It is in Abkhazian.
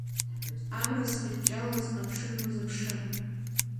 Амра зхыҷҷалоз амшын уазыԥшы…